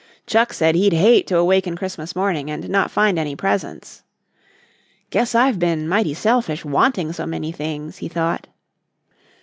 Chuck said he'd hate to awaken Christmas morning and not find any presents. "Guess I've been mighty selfish wanting so many things," he thought.